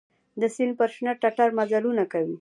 د سیند پر شنه ټټر مزلونه کوي